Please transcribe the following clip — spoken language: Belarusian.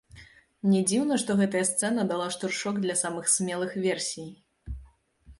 Не дзіўна, што гэтая сцэна дала штуршок для самых смелых версій.